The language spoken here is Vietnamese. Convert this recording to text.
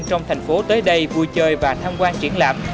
trong thành phố tới đây vui chơi và tham quan triển lãm